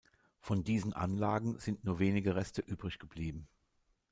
Von diesen Anlagen sind nur wenige Reste übrig geblieben.